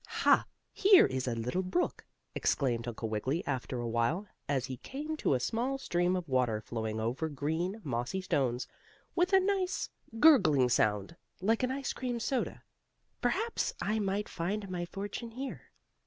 "Ha! Here is a little brook!" exclaimed Uncle Wiggily, after a while, as he came to a small stream of water flowing over green, mossy stones, with a nice gurgling sound like an ice cream soda, "perhaps I may find my fortune here."